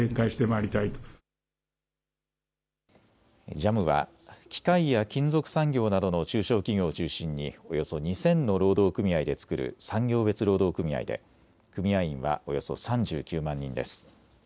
ＪＡＭは機械や金属産業などの中小企業を中心におよそ２０００の労働組合で作る産業別労働組合で組合員はおよそ３９万人です。